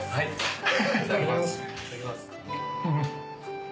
いただきます。